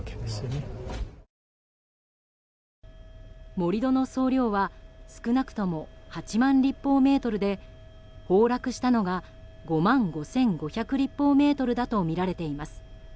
盛り土の総量は少なくとも８万立方メートルで崩落したのが５万５５００立方メートルだとみられています。